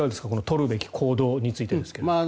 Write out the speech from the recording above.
取るべき行動についてですが。